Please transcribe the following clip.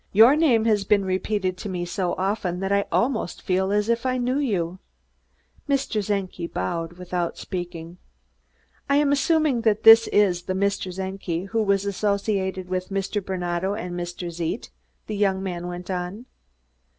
"Your name has been repeated to me so often that I almost feel as if I knew you." Mr. Czenki bowed without speaking. "I am assuming that this is the Mr. Czenki who was associated with Mr. Barnato and Mr. Zeidt?" the young man went on.